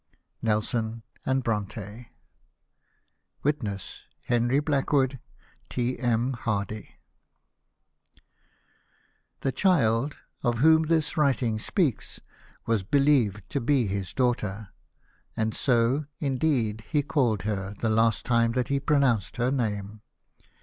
"Nelson and Bronte." ( Henry Blackwood. " V^fr^^' X T. M. Hardy." u 2 308 LIFE OF NELSON. The child, of whom this writing speaks, was beheved to be his daughter, and so, indeed, he called her the last time that he pronounced her name.